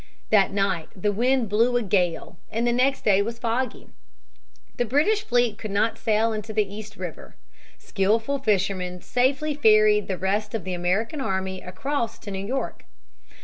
That night the wind blew a gale, and the next day was foggy. The British fleet could not sail into the East River. Skillful fishermen safely ferried the rest of the American army across to New York.